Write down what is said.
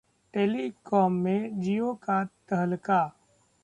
telecom में जियो का तहलका